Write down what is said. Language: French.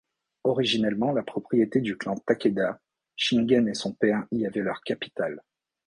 Originellement la propriété du clan Takeda, Shingen et son père y avaient leur capitale.